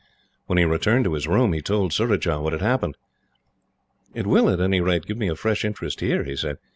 When he returned to his room, he told Surajah what had happened. "It will, at any rate, give me a fresh interest here," he said.